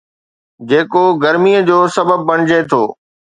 جيڪو گرميءَ جو سبب بڻجي ٿو